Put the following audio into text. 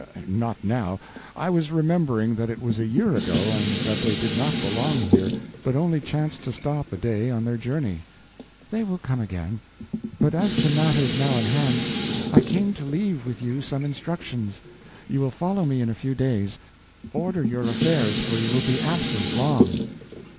Not now. I was remembering that it was a year ago, and that they did not belong here, but only chanced to stop a day on their journey." "They will come again. But as to matters now in hand; I came to leave with you some instructions. You will follow me in a few days. Order your affairs, for you will be absent long."